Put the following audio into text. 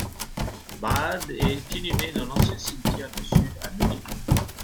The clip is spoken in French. Baade est inhumé dans l'Ancien cimetière du Sud à Munich.